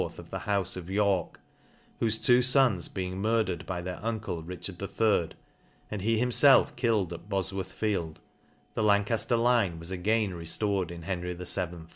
of the houfe of York, whofe two fons be ing murdered by their uncle Richard III. and he himfelf killed at B ofw or ib Fields the Lamajler line was again reftored in Henry VII.